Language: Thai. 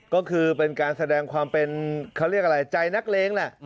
ก็คือเป็นการแสดงความเป็นเขาเรียกอะไรใจนักเลงแหละ